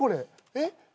えっ？